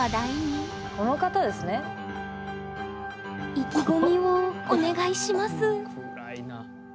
意気込みをお願いします